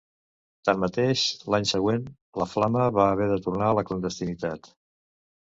Tanmateix, l’any següent la flama va haver de tornar a la clandestinitat.